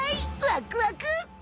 ワクワク！